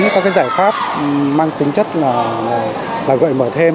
các cái giải pháp mang tính chất là gợi mở thêm